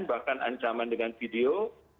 bahkan ancaman dengan video